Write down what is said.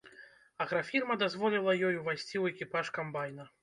Аграфірма дазволіла ёй увайсці ў экіпаж камбайна.